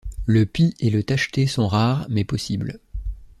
Le pie et le tacheté sont rares, mais possibles.